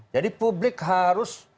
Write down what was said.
jadi publik harus